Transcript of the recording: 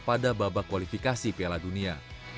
pada babak kualifikasi piala dunia